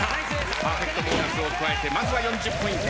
パーフェクトボーナスを加えてまずは４０ポイント。